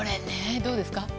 どうですか？